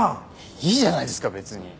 いいじゃないですか別に。